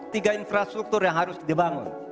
tiga infrastruktur yang harus dibangun